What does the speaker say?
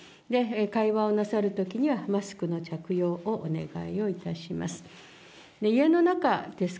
会話をなさるときにはマスクの着用をお願いをいたします。